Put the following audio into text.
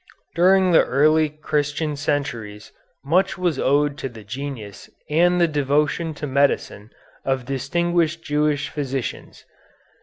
During the early Christian centuries much was owed to the genius and the devotion to medicine of distinguished Jewish physicians.